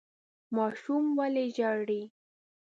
ماشوم ولې ژاړي ؟